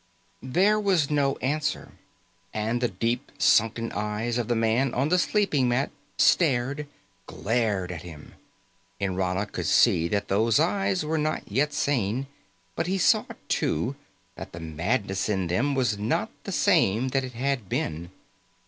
There was no answer, and the deep sunken eyes of the man on the sleeping mat stared, glared at him. Nrana could see that those eyes were not yet sane, but he saw, too, that the madness in them was not the same that it had been.